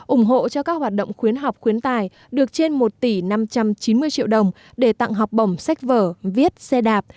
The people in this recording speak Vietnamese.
ủng hộ cho các hoạt động khuyến học khuyến tài được trên một tỷ năm trăm chín mươi triệu đồng để tặng học bổng sách vở viết xe đạp